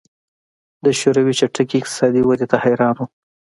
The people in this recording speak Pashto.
د شوروي چټکې اقتصادي ودې ته حیران وو